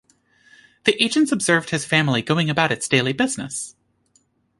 The agents observed his family going about its daily business.